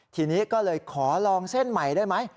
ทีนี้ก็เลยขอลองเส้นใหม่ได้ไหม